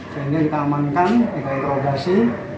sehingga kita amankan kita interogasi